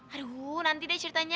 aduh nanti deh ceritanya